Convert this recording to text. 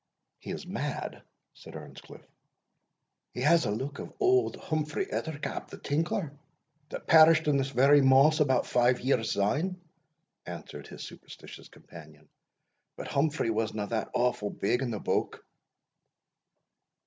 "He is mad," said Earnscliff. "He has a look of auld Humphrey Ettercap, the tinkler, that perished in this very moss about five years syne," answered his superstitious companion; "but Humphrey wasna that awfu' big in the bouk."